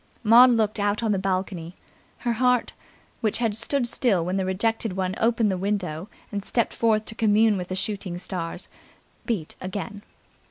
Maud looked out on to the balcony. Her heart, which had stood still when the rejected one opened the window and stepped forth to commune with the soothing stars, beat again.